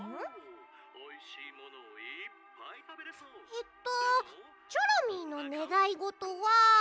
えっとチョロミーのねがいごとは。